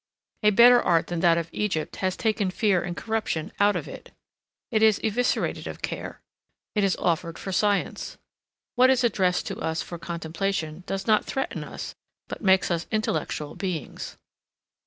A better art than that of Egypt has taken fear and corruption out of it. It is eviscerated of care. It is offered for science. What is addressed to us for contemplation does not threaten us but makes us intellectual beings.